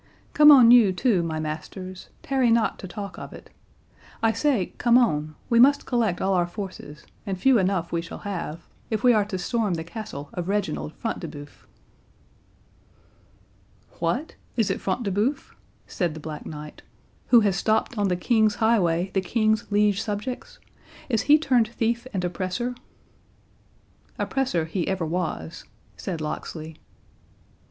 —Come on you, too, my masters, tarry not to talk of it—I say, come on, we must collect all our forces, and few enough we shall have, if we are to storm the Castle of Reginald Front de Bœuf." "What! is it Front de Bœuf," said the Black Knight, "who has stopt on the king's highway the king's liege subjects?—Is he turned thief and oppressor?" "Oppressor he ever was," said Locksley.